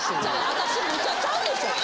私ムチャちゃうでしょ？